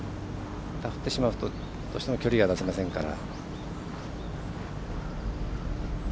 ダフってしまうとどうしても距離が出せませんから。